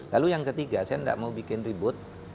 lalu yang ketiga saya tidak mau bikin ribut